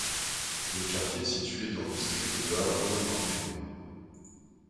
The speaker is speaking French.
Le quartier est situé dans district de Arroio Grande.